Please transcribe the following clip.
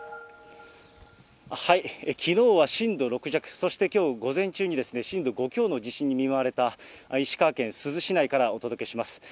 きのうは震度６弱、そしてきょう午前中に震度５強の地震に見舞われた、石川県珠洲市内からお届けします。